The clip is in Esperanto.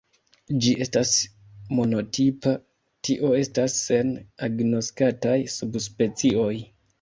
Ĝi estas monotipa, tio estas sen agnoskataj subspecioj.